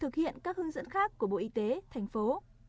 thực hiện các hướng dẫn khác của bộ y tế thành phố